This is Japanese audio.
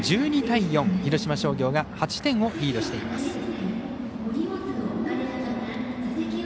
１２対４、広島商業が８点をリードしています。